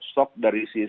shock dari sis